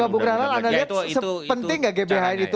mbak bu graval anda lihat sepenting gak gbhn itu